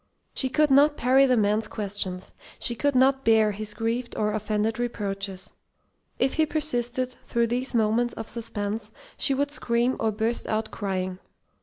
She could not parry the man's questions. She could not bear his grieved or offended reproaches. If he persisted, through these moments of suspense, she would scream or burst out crying.